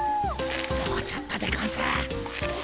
もうちょっとでゴンス。